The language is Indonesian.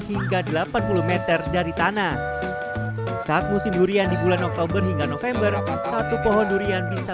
hingga delapan puluh m dari tanah saat musim durian di bulan oktober hingga november satu pohon durian bisa